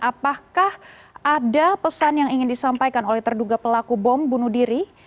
apakah ada pesan yang ingin disampaikan oleh terduga pelaku bom bunuh diri